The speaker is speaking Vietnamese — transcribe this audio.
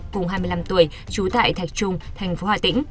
cùng hai mươi năm tuổi trú tại thạch trung tp ht